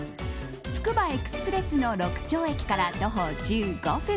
つくばエクスプレスの六町駅から徒歩１５分。